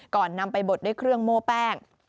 นำไปบดด้วยเครื่องโม่แป้ง